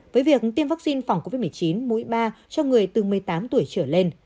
với việc tiêm vaccine phòng covid một mươi chín mũi ba cho người từ một mươi tám tuổi trở lên